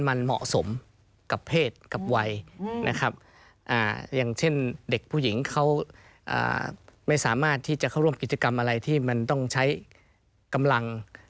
มันเหมาะสมกับเพศกับวัยนะครับอย่างเช่นเด็กผู้หญิงเขาไม่สามารถที่จะเข้าร่วมกิจกรรมอะไรที่มันต้องใช้กำลัง